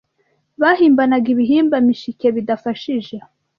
Bahimbanaga ibihimba-mishike bidafashije